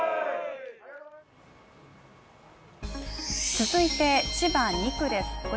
続いて千葉２区です。